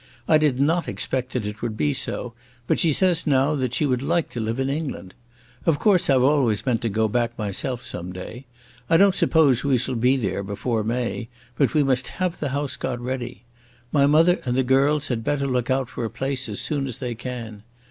I did not expect that it would be so, but she says now that she would like to live in England. Of course I've always meant to go back myself some day. I don't suppose we shall be there before May, but we must have the house got ready. My mother and the girls had better look out for a place as soon as they can.